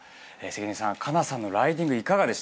関根さん佳那さんのライディングいかがでしたか？